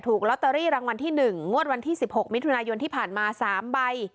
ถูกลอตเตอรี่รางวัลที่หนึ่งงวดวันที่สิบหกมิถุนายนที่ผ่านมาสามใบ